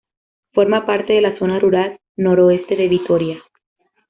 Forma parte de la Zona Rural Noroeste de Vitoria.